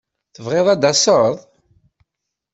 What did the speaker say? Tebɣiḍ ad d-taseḍ?